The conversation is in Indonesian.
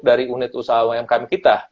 dari unit usaha umkm kita